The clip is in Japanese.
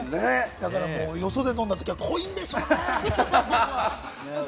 よそで飲んだときは濃いんでしょうね。